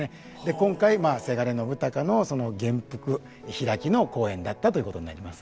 今回せがれ信朗の元服「披き」の公演だったということになります。